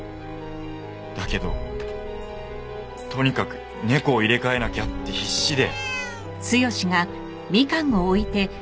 だけどとにかく猫を入れ替えなきゃって必死で。